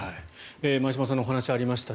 前嶋さんのお話がありました。